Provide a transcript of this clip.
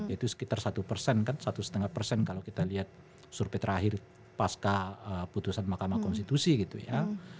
itu sekitar satu persen kan satu setengah persen kalau kita lihat survei terakhir pasca putusan mahkamah konstitusi gitu ya